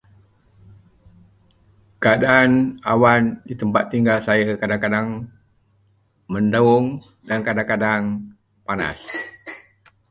Keadaan awan di tempat tinggal saya kadang-kadang mendung dan kadang-kadang panas.